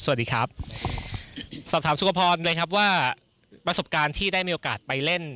สวัสดีครับสอบถามสุขภาพพรเลยครับว่าประสบการณ์ที่ได้มีโอกาสไปเล่น